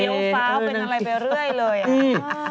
เป็นฟีเอลฟ้าวเป็นอะไรไปเรื่อยเลย